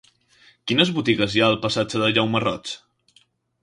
Quines botigues hi ha al passatge de Jaume Roig?